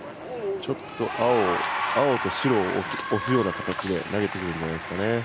青と白を押すような形で投げてくるんじゃないんですかね。